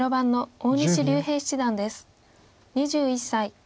２１歳。